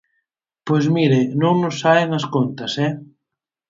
Pois mire, non nos saen as contas, ¡eh!